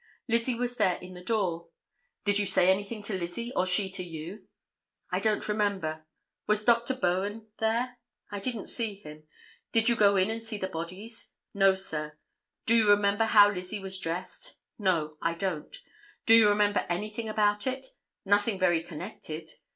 Lizzie was there in the door. "Did you say anything to Lizzie or she to you?" "I don't remember." "Was Dr. Bowen there?" "I didn't see him." "Did you go in and see the bodies?" "No, sir." "Do you remember how Lizzie was dressed?" "No, I don't." "Do you remember anything about it?" "Nothing very connected."